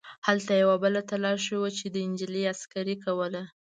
هلته یوه بله تلاشي وه چې نجلۍ عسکرې کوله.